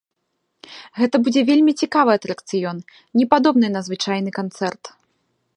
Гэта будзе вельмі цікавы атракцыён, непадобны на звычайны канцэрт!